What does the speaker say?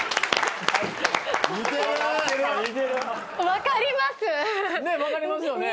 分かりますよね。